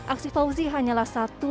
aksi fauzi hanyalah satu